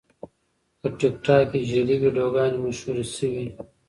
په ټیکټاک کې جعلي ویډیوګانې مشهورې شوې.